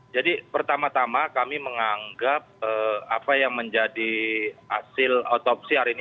jadi pertama tama kami menganggap apa yang menjadi hasil otopsi hari ini